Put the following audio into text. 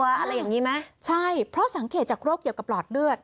อะไรอย่างนี้ไหมใช่เพราะสังเกตจากโรคเกี่ยวกับหลอดเลือด